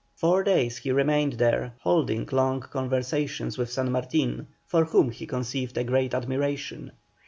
Four days he remained there, holding long conversations with San Martin, for whom he conceived a great admiration.